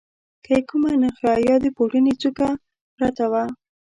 که یې کومه نخښه یا د پوړني څوکه پرته وه.